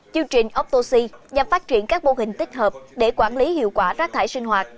chương trình optosi nhằm phát triển các mô hình tích hợp để quản lý hiệu quả rác thải sinh hoạt